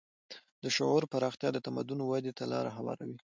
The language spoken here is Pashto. د شعور پراختیا د تمدن ودې ته لاره هواروي.